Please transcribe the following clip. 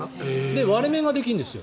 割れ目ができるんです。